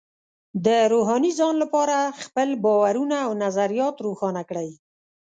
د روحاني ځان لپاره خپل باورونه او نظریات روښانه کړئ.